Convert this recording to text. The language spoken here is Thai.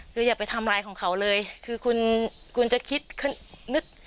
คืออย่าไปทำร้ายของเขาเลยคือคุณคุณจะคิดนึก